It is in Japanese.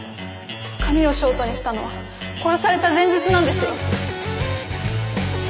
髪をショートにしたのは殺された前日なんですよ。